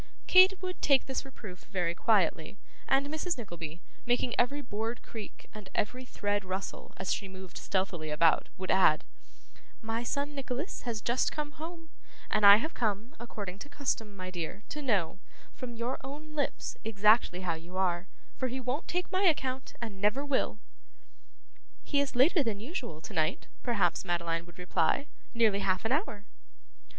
Kate would take this reproof very quietly, and Mrs. Nickleby, making every board creak and every thread rustle as she moved stealthily about, would add: 'My son Nicholas has just come home, and I have come, according to custom, my dear, to know, from your own lips, exactly how you are; for he won't take my account, and never will.' 'He is later than usual to night,' perhaps Madeline would reply. 'Nearly half an hour.